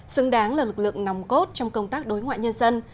xứng đáng là lực lượng nòng cốt trong công tác đối ngoại nhân dân